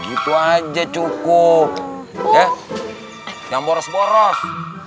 gitu aja cukup ya yang boros boros